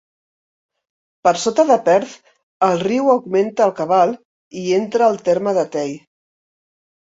Per sota de Perth, el riu augmenta el cabal i entra al terme de Tay.